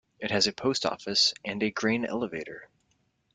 It has a post office and a grain elevator.